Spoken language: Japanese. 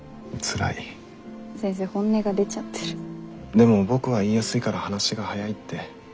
でも僕は言いやすいから話が早いって。